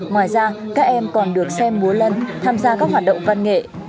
ngoài ra các em còn được xem múa lân tham gia các hoạt động văn nghệ